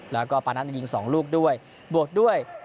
แล้วก็ประนักกิติภาระวงศ์๒ลูกด้วย